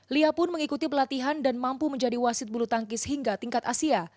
lia pun mengikuti pelatihan dan mampu menjadi wasit bulu tangkis hingga tingkat asia